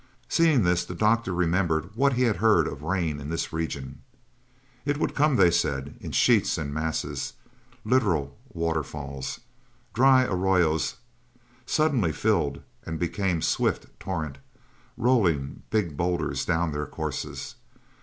Seeing this, the doctor remembered what he had heard of rain in this region. It would come, they said, in sheets and masses literal water falls. Dry arroyos suddenly filled and became swift torrent, rolling big boulders down their courses.